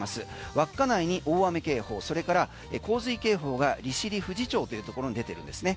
稚内に大雨警報それから洪水警報が利尻富士町というところで出てるんですね。